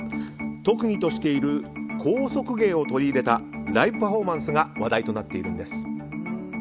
特技としている高速芸を取り入れたライブパフォーマンスが話題となっているんです。